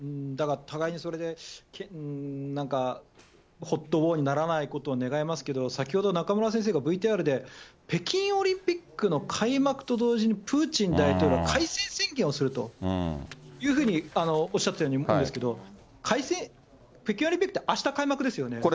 だから、互いにそれで、なんかホットウォーにならないことを願いますけれども、先ほど中村先生がＶＴＲで、北京オリンピックの開幕と同時に、プーチン大統領が開戦宣言をするというふうにおっしゃったんですけれども、開戦、北京オリンピックって、あした開幕ですよね。